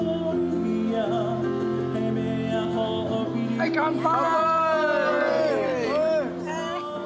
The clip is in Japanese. はい乾杯！